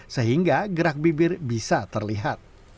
sehingga gerak bibir bisa terlihat